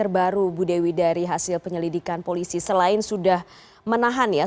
kembangan informasi terbaru bu dewi dari hasil penyelidikan polisi selain sudah menahan ya